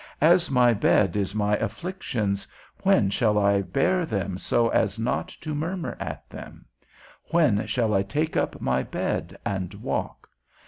As my bed is my afflictions, when shall I bear them so as not to murmur at them? When shall I take up my bed and walk?